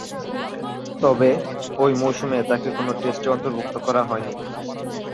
তবে, ঐ মৌসুমে তাকে কোন টেস্টে অন্তর্ভুক্ত করা হয়নি।